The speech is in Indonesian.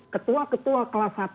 ketua ketua kelas satu